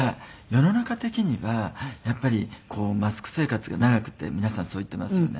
世の中的にはやっぱりマスク生活が長くて皆さんそう言っていますよね。